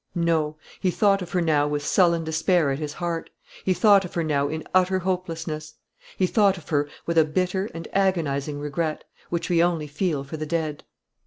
No; he thought of her now with sullen despair at his heart; he thought of her now in utter hopelessness; he thought of her with a bitter and agonising regret, which we only feel for the dead.